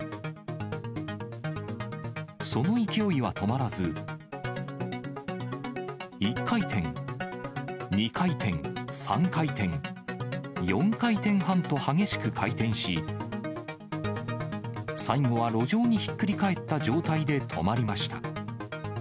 その勢いは止まらず、１回転、２回転、３回転、４回転半と激しく回転し、最後は路上にひっくり返った状態で止まりました。